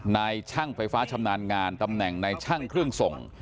นายช่างไฟฟ้าชำนาญงานตำแหน่งนายช่างเครื่องส่ง